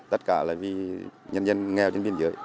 tất cả là vì nhân dân nghèo trên biên giới